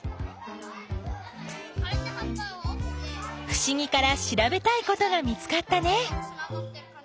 ふしぎからしらべたいことが見つかったね。